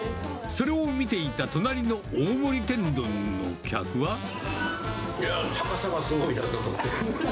それを見ていた隣の大盛り天いやー、高さがすごいなと思って。